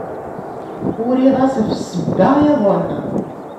Uriɣ-as ɣef ssebba-iḍen.